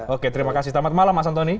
oke terima kasih selamat malam mas antoni